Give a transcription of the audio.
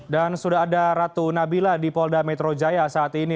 dan sudah ada ratu nabila di polda metro jaya saat ini